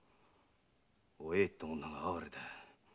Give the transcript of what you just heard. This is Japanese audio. お栄って女が哀れだ。